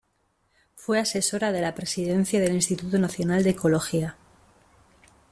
Fue asesora de la presidencia del Instituto Nacional de Ecología.